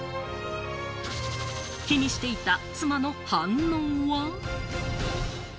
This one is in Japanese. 気にしていた妻の反応は？